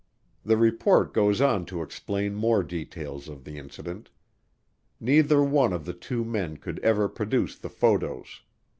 The report goes on to explain more details of the incident. Neither one of the two men could ever produce the photos.